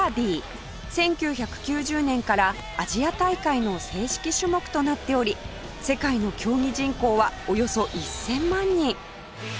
１９９０年からアジア大会の正式種目となっており世界の競技人口はおよそ１０００万人